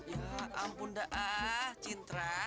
ya ampun dah ah cintra